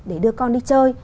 để đưa con đi chơi